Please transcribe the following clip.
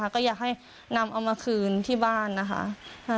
ก็อยากให้นำเอามาคืนที่บ้านนะคะ